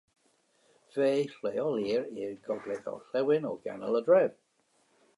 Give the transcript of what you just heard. Fe'i lleolir i'r gogledd-orllewin o ganol y dref.